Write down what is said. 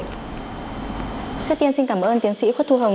trước tiên xin cảm ơn tiến sĩ khuất thu hồng